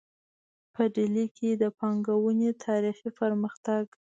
په ډیلي کې د پانګونې تاریخي پرمختګ